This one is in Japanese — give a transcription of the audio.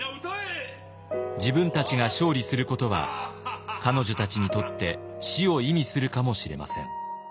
自分たちが勝利することは彼女たちにとって死を意味するかもしれません。